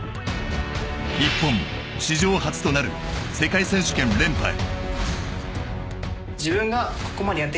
日本史上初となる世界選手権連覇へ。